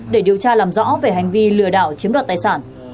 để điều tra làm rõ về hành vi lừa đảo chiếm đoạt tài sản